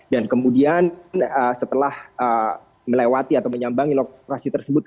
dan kemudian setelah melewati atau menyambangi lokasi tersebut